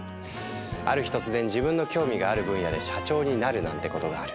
ある日突然自分の興味がある分野で社長になるなんてことがある